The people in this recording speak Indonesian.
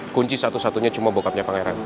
kunci satu satunya cuma bokapnya pangeran